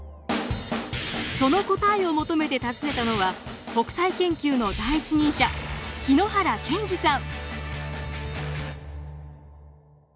その答えを求めて訪ねたのは北斎研究の第一人者日野原健司さん。